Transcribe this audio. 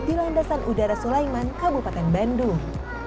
di landasan udara sulaiman kabupaten bandung